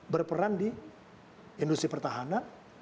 berperan di industri pertahanan